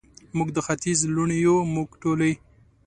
موږ د ختیځ لوڼې یو، موږ ټولې،